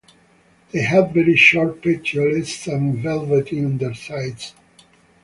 They have very short petioles and velvety undersides.